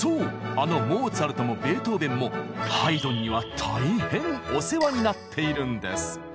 あのモーツァルトもベートーベンもハイドンには大変お世話になっているんです。